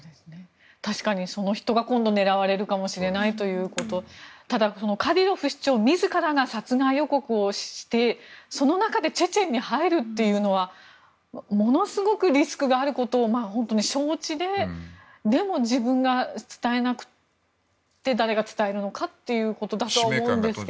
確かにその人が狙われるかもしれないということただ、カディロフ首長自らが殺害予告をしてその中でチェチェンに入るというのはものすごくリスクがあることを承知ででも自分が伝えなくて誰が伝えるのかということだとは思うんですが。